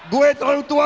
gue terlalu tua nggak